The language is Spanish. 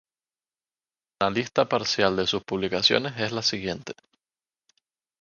Una lista parcial de sus publicaciones es la siguiente.